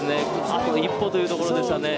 あと一歩というところでしたね。